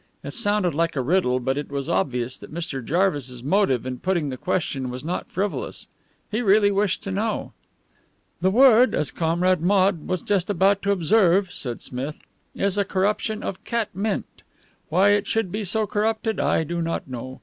It sounded like a riddle, but it was obvious that Mr. Jarvis's motive in putting the question was not frivolous. He really wished to know. "The word, as Comrade Maude was just about to observe," said Smith, "is a corruption of catmint. Why it should be so corrupted I do not know.